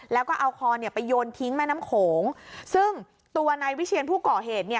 แล้วก็เอาคอเนี่ยไปโยนทิ้งแม่น้ำโขงซึ่งตัวนายวิเชียนผู้ก่อเหตุเนี่ย